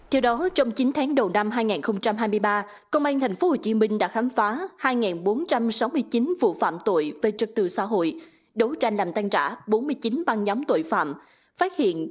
theo đó trong chín tháng đầu năm hai nghìn hai mươi ba công an tp hcm đã khám phá hai bốn trăm sáu mươi tám vụ án và thu giữ hơn bảy trăm hai mươi kg ma túy các loại